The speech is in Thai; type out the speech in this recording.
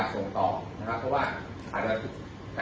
ส่วนต่อนะคะเมื่อกี้เลยครับของชั้นอ่ะ